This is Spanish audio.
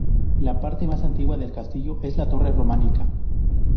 La parte más antigua del castillo es la torre románica.